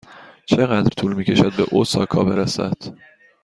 چقدر طول می کشد به اوساکا برسد؟